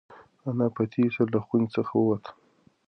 انا په تېزۍ سره له خونې څخه ووته.